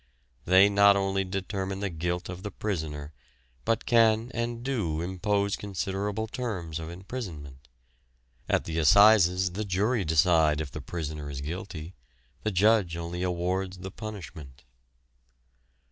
They not only determine the guilt of the prisoner, but can and do impose considerable terms of imprisonment. At the Assizes the jury decide if the prisoner is guilty, the judge only awards the punishment.